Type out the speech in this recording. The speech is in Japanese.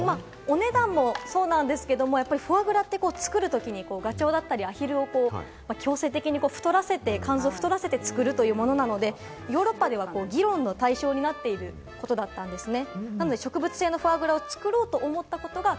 かなり、こちらもお手頃に買えるということなんですが、お値段もそうなんですけども、フォアグラって作る時にガチョウだったり、アヒルを強制的に太らせて肝臓を作るというものなので、ヨーロッパでは議論の対象になっていることだったんですね。